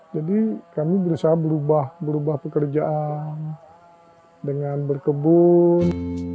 jadi kami berusaha berubah berubah pekerjaan dengan berkebun